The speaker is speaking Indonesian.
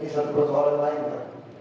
ini satu persoalan ya